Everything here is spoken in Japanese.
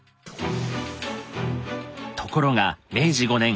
ところが明治５年。